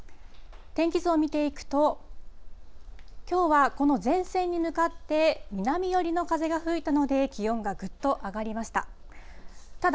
天気図を見ていくと、きょうはこの前線に向かって南寄りの風が吹いたので、気温がぐっと上がりました。